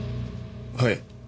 はい。